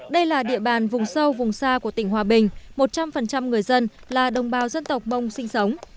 đây là địa bàn vùng sâu vùng xa của tỉnh hòa bình một trăm linh người dân là đồng bào dân tộc mông sinh sống